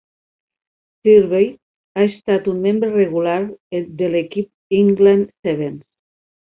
Thirlby ha estat un membre regular de l'equip England Sevens.